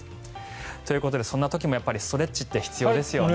ということでそんな時もストレッチって必要ですよね。